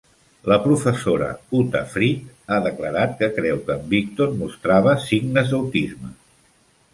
La professora Uta Frith ha declarat que creu que en Víctor mostrava signes d'autisme.